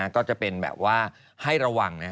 ก็จะเป็นแบบว่าให้ระวัง